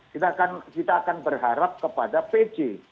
kita akan kita akan berharap kepada pj